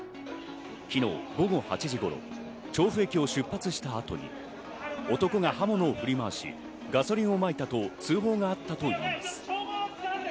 昨日午後８時頃、調布駅を出発した後に男が刃物を振り回しガソリンをまいたと通報があったといいます。